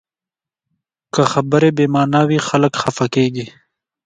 که خبرې بې معنا وي، خلک خفه کېږي